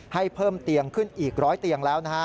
ให้เพิ่มเตียงขึ้นอีก๑๐๐เตียงแล้วนะฮะ